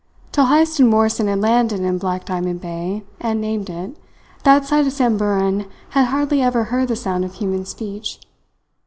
Till Heyst and Morrison had landed in Black Diamond Bay, and named it, that side of Samburan had hardly ever heard the sound of human speech.